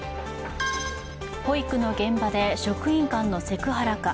保育の現場で職員間のセクハラか。